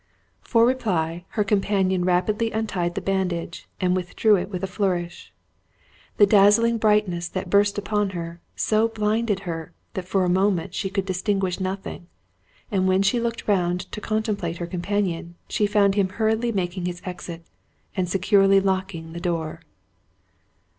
For reply, her companion rapidly untied the bandage, and withdrew it with a flourish. The dazzling brightness that burst upon her, so blinded her, that for a moment she could distinguish nothing; and when she looked round to contemplate her companion, she found him hurriedly making his exit, and securely locking the door.